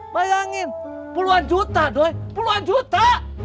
bayangin puluhan juta do puluhan juta